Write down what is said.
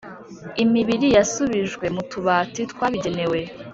Imibiri yasubijwe mu tubati twabigenewe